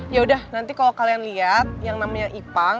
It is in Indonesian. yaudah nanti kalau kalian liat yang namanya ipang